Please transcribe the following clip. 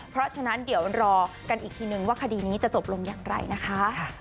เพราะฉะนั้นเดี๋ยวรอกันอีกทีนึงว่าคดีนี้จะจบลงอย่างไรนะคะ